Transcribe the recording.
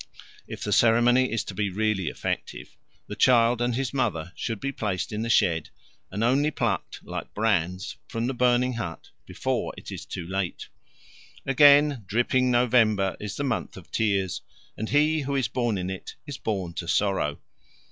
If the ceremony is to be really effective, the child and his mother should be placed in the shed and only plucked, like brands, from the burning hut before it is too late. Again, dripping November is the month of tears, and he who is born in it is born to sorrow.